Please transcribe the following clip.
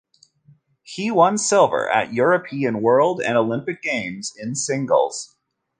He won silver at European, World and Olympic games in singles.